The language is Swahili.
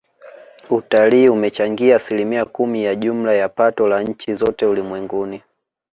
Utalii umechangia asilimia kumi ya jumla ya pato la nchi zote ulimwenguni